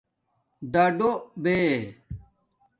دَڈݸ بے